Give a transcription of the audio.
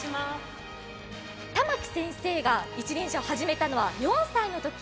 珠暉先生が一輪車を始めたのは４歳のとき。